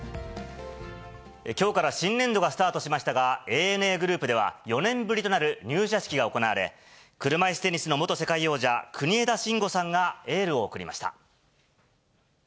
きょうから新年度がスタートしましたが、ＡＮＡグループでは４年ぶりとなる入社式が行われ、車いすテニスの元世界王者、国枝慎吾さんがエールを送りました。